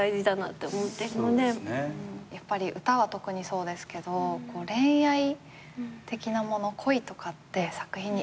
やっぱり歌は特にそうですけど恋愛的なもの恋とかって作品に影響を及ぼしますか？